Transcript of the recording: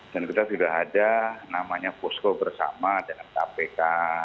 dan kita sudah ada namanya pusko bersama dengan kpk